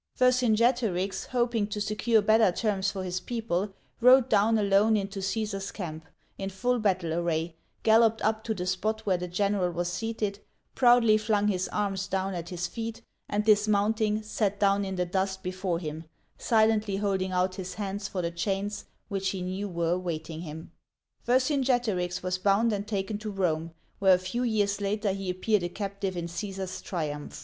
Vercingetorix, hoping to secure better terms for his people, rode down alone into Caesar's camp, in full battle array, galloped up to the spot where the general was seated, proudly flung his arms down at his feet, and dismounting, sat down in the dust before him, silently holding out his hands for the chains which he knew were awaiting him. Vercingetorix w^s bound and taken to Rome, where a few years later he appeared a captive in Caesar's triumph.